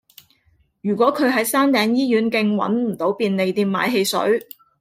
如果佢喺山頂醫院徑搵唔到便利店買汽水